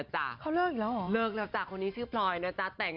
เดี๋ยวผมอยากได้ลูกชาย